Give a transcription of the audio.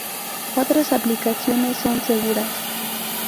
Otras aplicaciones son seguras.